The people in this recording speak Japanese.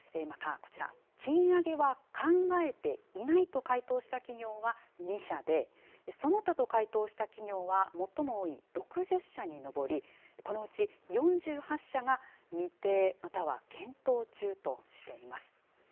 また、こちら、賃上げは考えていないと回答した企業は２社で、その他と回答した企業は最も多い６０社に上り、このうち４８社が未定、または検討中としています。